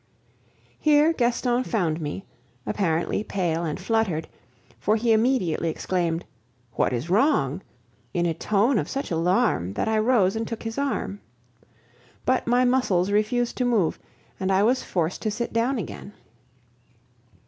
Here Gaston found me, apparently pale and fluttered, for he immediately exclaimed, "What is wrong?" in a tone of such alarm, that I rose and took his arm. But my muscles refused to move, and I was forced to sit down again.